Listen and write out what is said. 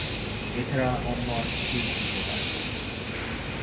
এ-ছাড়া অন্য আর কিছুই হইতে পারে না।